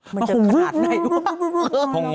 มันจะขนาดไหนดูวะ